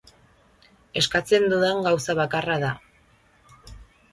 Eskatzen dudan gauza bakarra da.